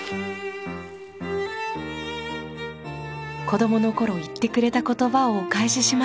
子供の頃言ってくれた言葉をお返しします。